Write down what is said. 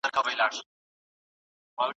ایا ته خپل فکرونه عملي کوې؟